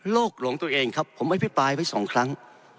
โลกหลงตัวเองครับผมเอาอภิปายไปสองครั้ง